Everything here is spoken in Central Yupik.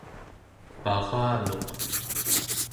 paraluq